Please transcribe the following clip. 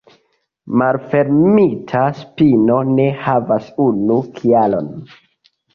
Malfermita spino ne havas unu kialon.